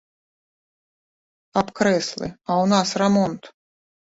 Аб крэслы, а ў нас рамонт!